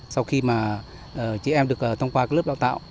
sau khi mà chị em được thông qua cái lớp đào tạo